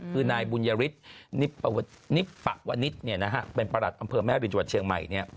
คือนายบุญยฤทธิ์นิปปะวนิษฐ์เป็นประหลัดอำเภอแม่รินจังหวัดเชียงใหม่